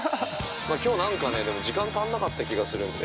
◆きょう、なんかね、でも、時間足らなかった気がするんで。